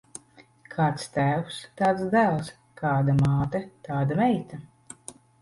Kāds tēvs, tāds dēls; kāda māte, tāda meita.